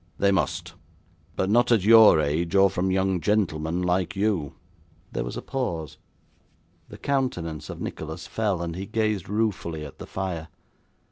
'They must; but not at your age, or from young gentlemen like you.' There was a pause. The countenance of Nicholas fell, and he gazed ruefully at the fire.